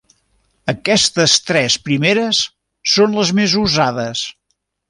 Aquestes tres primeres són les més usades.